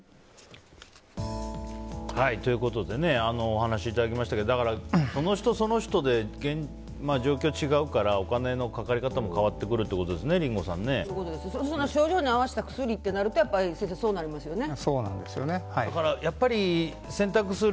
お話しいただきましたけどその人、その人で状況が違うからお金のかかり方も変わってくると症状に合わせた薬ってなるとやっぱり、先生そうなりますよね。